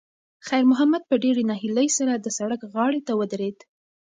خیر محمد په ډېرې ناهیلۍ سره د سړک غاړې ته ودرېد.